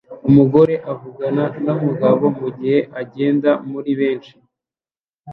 Umugore avugana numugabo mugihe agenda muri benshi